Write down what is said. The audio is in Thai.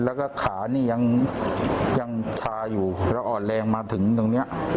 แล้วก็ขานี่ยังชาอยู่แล้วอ่อนแรงมาถึงตรงนี้